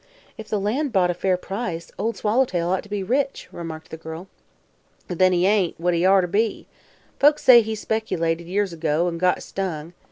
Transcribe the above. "If the land brought a fair price, Old Swallowtail ought to be rich," remarked the girl. "Then he ain't what he orter be. Folks says he specilated, years ago, an' got stung.